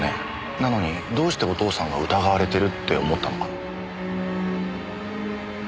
なのにどうしてお父さんが疑われてるって思ったのかな？